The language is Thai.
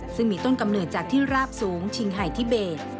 ซึ่งมีต้นกำเนิดจากที่ราบสูงชิงหายทิเบส